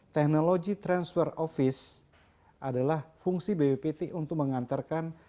teknologi transfer office adalah fungsi bppt untuk mengantarkan